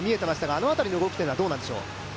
あの辺りの動きはどうでしょう。